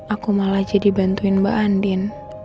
aku malah jadi bantuin mbak andin